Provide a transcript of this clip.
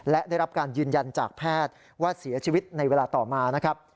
และได้รับการยืนยันจากแพทย์ว่าเสียชีวิตในเวลาต่อมานะครับ